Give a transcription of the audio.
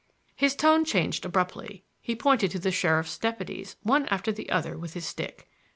His tone changed abruptly. He pointed to the sheriff's deputies one after the other with his stick.